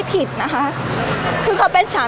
พี่ตอบได้แค่นี้จริงค่ะ